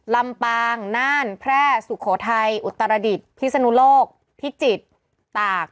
ลำปางน่านแพร่สุโขทัยอุตรดิษฐ์พิศนุโลกพิจิตรตาก